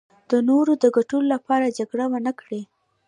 د نورو د ګټو لپاره جګړه ونکړي.